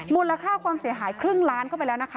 มูลค่าความเสียหายครึ่งล้านเข้าไปแล้วนะคะ